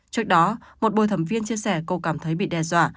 trước đó một bồi thẩm viên chia sẻ cô cảm thấy bị đe dọa